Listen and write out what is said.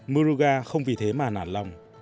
muruganatham không vì thế mà nản lòng